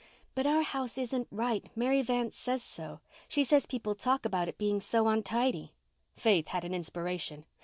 "But our house isn't right. Mary Vance says so. She says people talk about it being so untidy." Faith had an inspiration.